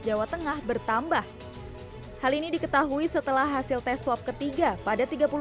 jawa tengah bertambah hal ini diketahui setelah hasil tes swab ketiga pada tiga puluh